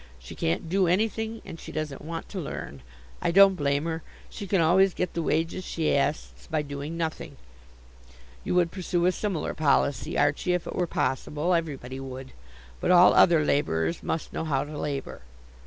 She can't do anything and she doesn't want to learn. I don't blame her. She can always get the wages she asks by doing nothing. You would pursue a similar policy, Archie, if it were possible. Everybody would. But all other laborers must know how to labor."